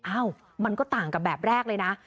อ้าวมันก็ต่างกับแบบแรกเลยนะ